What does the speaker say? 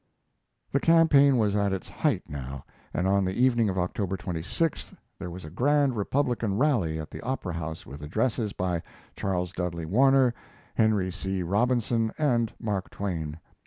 The campaign was at its height now, and on the evening of October 26th there was a grand Republican rally at the opera house with addresses by Charles Dudley Warner, Henry C. Robinson, and Mark Twain.